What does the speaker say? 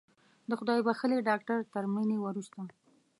د خدای بښلي ډاکتر تر مړینې وروسته